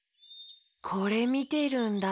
これみてるんだ。